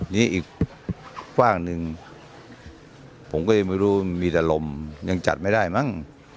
นี่อีกกว้างหนึ่งผมก็ยังไม่รู้มีแต่ลมยังจัดไม่ได้มั้ง